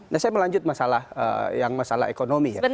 nah saya melanjut masalah ekonomi